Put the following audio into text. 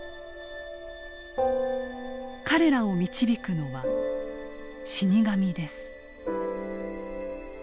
彼らを導くのは死に神です。